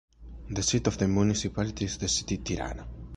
The seat of the municipality is the city Tirana.